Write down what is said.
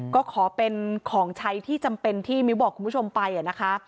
ก็ขอเป็นของใช้ที่จำเป็นที่มิ้วบอกคุณผู้ชมไปนะคะ